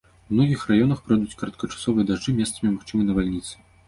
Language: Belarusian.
У многіх раёнах пройдуць кароткачасовыя дажджы, месцамі магчымыя навальніцы.